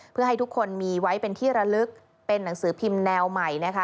เพื่อให้ทุกคนมีไว้เป็นที่ระลึกเป็นหนังสือพิมพ์แนวใหม่นะคะ